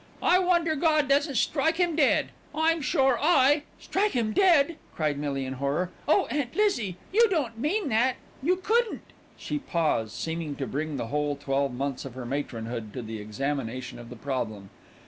"I wonder God doesn't strike him dead. I'm sure I " "Strike him dead!" cried Millie in horror. "Oh, Aunt Lizzie! you don't mean that, you couldn't." She paused, seeming to bring the whole twelve months of her matronhood to the examination of the problem.